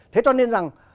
thế cho nên rằng